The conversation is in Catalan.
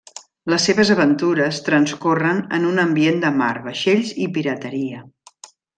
Les seves aventures transcorren en un ambient de mar, vaixells i pirateria.